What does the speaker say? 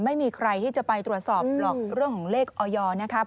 ไม่มีใครที่จะไปตรวจสอบหรอกเรื่องของเลขออยนะครับ